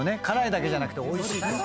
辛いだけじゃなくておいしい。